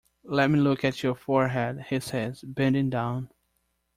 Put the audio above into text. "Let me look at your forehead," he says, bending down.